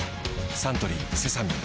サントリーセサミン